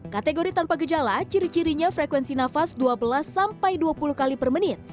kategori tanpa gejala ciri cirinya frekuensi nafas dua belas sampai dua puluh kali per menit